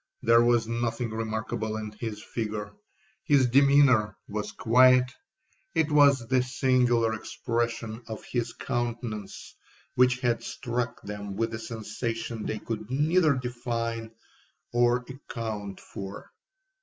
There was nothing remarkable in his figure,—his demeanour was quiet; it was the singular expression of his countenance which had struck them with a sensation they could neither define or account for.